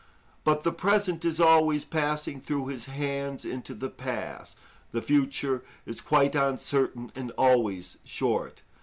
But the present is always passing through his hands into the past; the future is quite uncertain and always short.